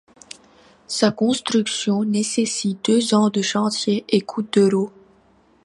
Sa construction nécessite deux ans de chantier et coûte d'euros.